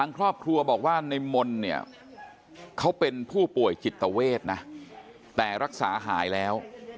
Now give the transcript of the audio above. ครอบครัวบอกว่าในมนต์เนี่ยเขาเป็นผู้ป่วยจิตเวทนะแต่รักษาหายแล้ว